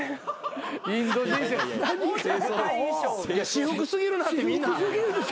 私服過ぎるなってみんな。